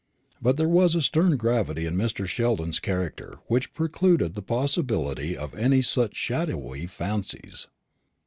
But there was a stern gravity in Mr. Sheldon's character which precluded the possibility of any such shadowy fancies.